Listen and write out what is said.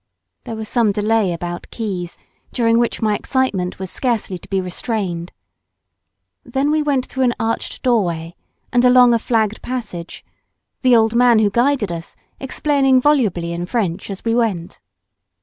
There was some delay about keys, during which my excitement was scarcely to be restrained. Then we went through an arched doorway and along a flagged passage, the old man who guided us explaining volubly in French as we went.